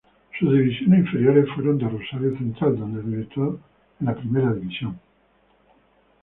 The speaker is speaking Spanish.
Sus divisiones inferiores fueron en Rosario Central donde debutó en la Primera División.